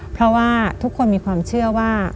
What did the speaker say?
เพราะว่าทุกคนมีความเชื่อว่า